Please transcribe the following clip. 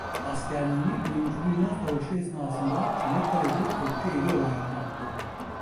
Askerliğini birinci Dünya Savaşı esnasında Çanakkale'de topçu eri olarak yaptı.